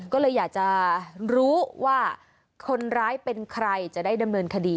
ก็เลยอยากจะรู้ว่าคนร้ายเป็นใครจะได้ดำเนินคดี